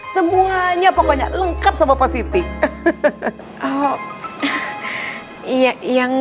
semuanya pokoknya lengkap sama positif